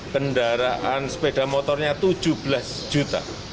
kendaraan sepeda motornya tujuh belas juta